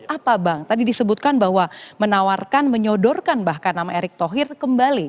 apa bang tadi disebutkan bahwa menawarkan menyodorkan bahkan nama erick thohir kembali